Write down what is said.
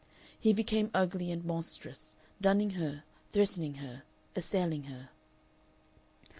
He became ugly and monstrous, dunning her, threatening her, assailing her.